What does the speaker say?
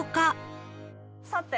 さて。